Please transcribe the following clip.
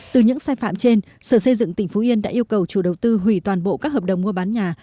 từ những sai phạm trên sở xây dựng tỉnh phú yên đã yêu cầu chủ đầu tư hủy toàn bộ các hợp đồng mua bán nhà